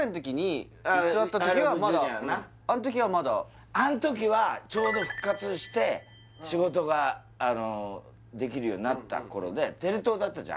僕が「愛ＬＯＶＥジュニア」なあん時はまだあん時はちょうど復活して仕事があのできるようになった頃でテレ東だったじゃん